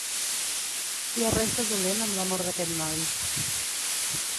Hi ha res de dolent amb l'amor d'aquest noi.